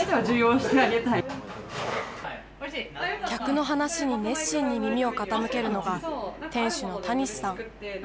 客の話に熱心に耳を傾けるのが店主のたにしさん。